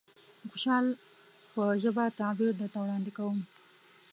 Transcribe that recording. د خوشحال په ژبه تعبير درته وړاندې کوم.